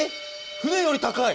船より高い。